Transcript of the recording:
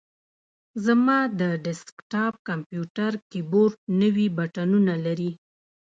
زما د ډیسک ټاپ کمپیوټر کیبورډ نوي بټنونه لري.